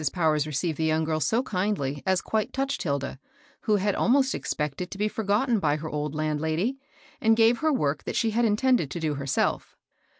Powers received the yoimg girl so kindly as quite touched Hilda, who had almost expected to be forgotten by her old landlady, and gave her work that she had intended to do herself.